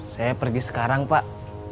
saya pergi sekarang pak